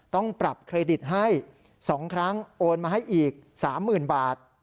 ต้องปรับเครดิตให้๒ครั้งโอนมาให้อีก๓๐๐๐บาท